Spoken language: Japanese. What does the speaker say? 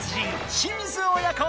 清水親子。